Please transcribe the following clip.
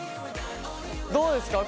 どうですか？